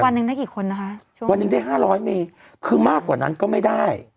วันหนึ่งได้กี่คนนะคะวันหนึ่งได้ห้าร้อยเมคือมากกว่านั้นก็ไม่ได้